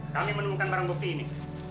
kami menemukan barang bukti ini